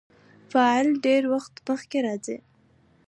فاعل ډېرى وخت مخکي راځي.